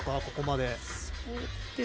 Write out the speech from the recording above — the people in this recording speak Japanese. ここまで。